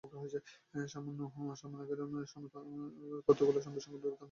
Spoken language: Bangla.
সামান্যীকরণের তত্ত্বগুলির সঙ্গে সঙ্গে বিবর্তনবাদের তত্ত্বগুলিকেও তৃপ্ত করিতে হইবে।